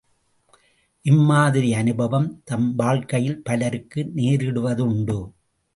இம்மாதிரி அனுபவம் தம் வாழ்க்கையில் பலருக்கு நேரிடுவதுண்டு.